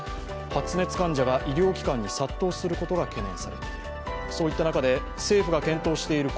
発熱患者が医療機関に殺到することが懸念されています。